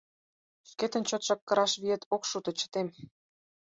Шкетын чотшак кыраш виет ок шуто, чытем.